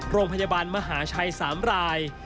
โรงพยาบาลมหาชัย๓ราย